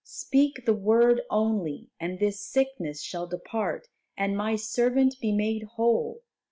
Speak the word only, and this sickness shall depart and my servant be made whole.